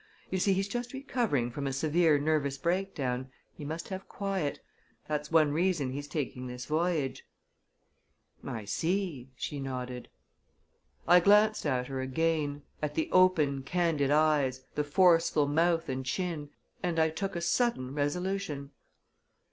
You see, he's just recovering from a severe nervous breakdown he must have quiet that's one reason he's taking this voyage." "I see," she nodded. I glanced at her again at the open, candid eyes, the forceful mouth and chin and I took a sudden resolution.